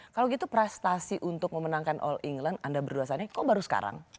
kalau gitu prestasi untuk memenangkan all england anda berdua sana kok baru sekarang